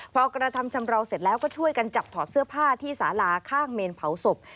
พอกระทำชำราวเสร็จแล้วก็ช่วยกันจับถอดเสื้อผ้าที่สาลาข้างเมนเผาศพ